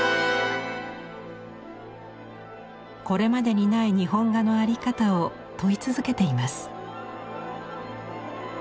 これまでにない日本画の在り方を問い続けています。